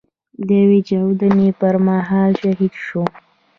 د يوې چاودنې پر مهال شهيد شو.